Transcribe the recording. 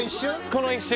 この一瞬。